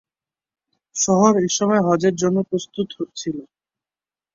শহর এসময় হজ্জের জন্য প্রস্তুত হচ্ছিল।